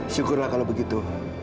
syukurlah kalau begitu